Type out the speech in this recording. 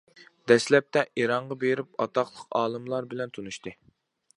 دەسلەپتە ئىرانغا بېرىپ ئاتاقلىق ئالىملار بىلەن تونۇشتى.